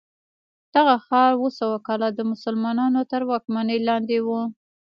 دغه ښار اوه سوه کاله د مسلمانانو تر واکمنۍ لاندې و.